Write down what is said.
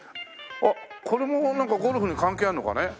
あっこれもなんかゴルフに関係あるのかね？